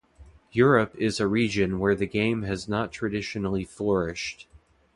Europe is a region where the game has not traditionally flourished.